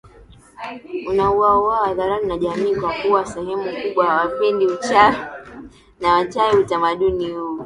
unauwawa hadharani na jamii kwa kuwa sehemu kubwa hawapendi uchawi na wachawi Utamaduni huu